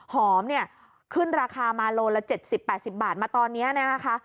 หอมขึ้นราคามาโลละ๗๐๘๐บาทตอนนี้นะคะ